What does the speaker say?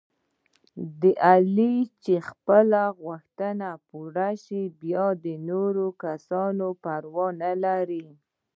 د علي چې خپلې غوښتنې پوره شي، بیا د نورو کسانو پروا نه لري.